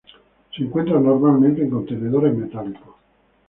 Se encuentra normalmente en contenedores metálicos.